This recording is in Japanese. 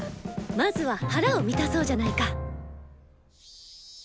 まずは腹を満たそうじゃないか！